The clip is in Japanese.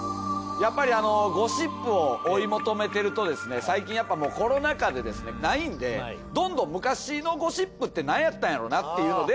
やっぱりゴシップを追い求めてるとですね最近やっぱもうコロナ禍でですねないんでどんどん昔のゴシップってなんやったんやろなっていうので。